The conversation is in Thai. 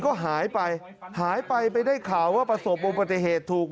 ก็หายไปหายไปไปได้ข่าวว่าประสบบประเทศถูก